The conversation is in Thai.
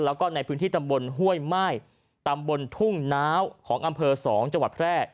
แล้วก็ในพื้นที่ตำบลห้วยม่ายตำบลทุ่งน้าวของอำเภอ๒จังหวัดแพร่